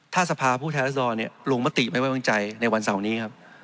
ถ้าสภาพผู้แทรสดอลลงมาติไม่ไว้บางใจในวันเสาร์นี้